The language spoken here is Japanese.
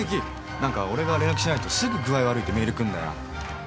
何か俺が連絡しないとすぐ「具合悪い」ってメール来んだよ。